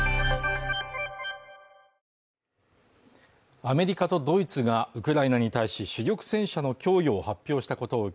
アメリカとドイツがウクライナに対し主力戦車の供与を発表したことを受け